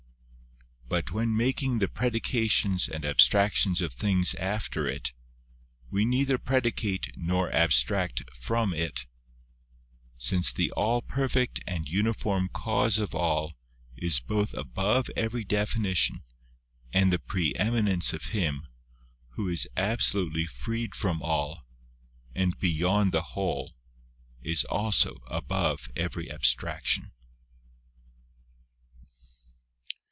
But when making the predications and abstractions of things after It, we neither predicate, nor abstract from It ; since the all perfect and uniform Cause of all is both above every definition and the pre eminence of Him, Who is absolutely freed from all r and beyond the whole, is also above every abstraction.